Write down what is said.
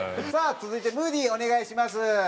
さあ続いてムーディお願いします。